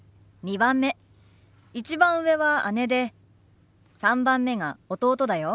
１番上は姉で３番目が弟だよ。